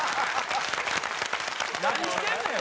何してんねん！